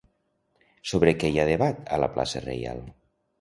Sobre què hi ha debat a la Plaça Reial?